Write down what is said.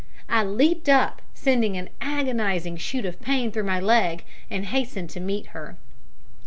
I leaped up, sending an agonising shoot of pain through my leg, and hastened to meet her.